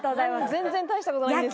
全然大した事ないです。